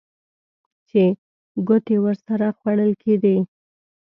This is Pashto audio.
چې ګوتې ورسره خوړل کېدې.